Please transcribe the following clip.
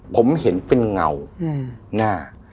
ผมเห็นเป็นเงาหน้า